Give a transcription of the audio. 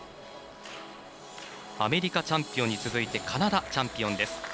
アメリカチャンピオンに続いてカナダチャンピオンです。